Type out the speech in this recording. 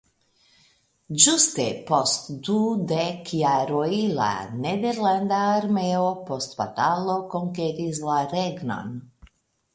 Ĝuste post du dek jaroj la nederlanda armeo post batalo konkeris la regnon.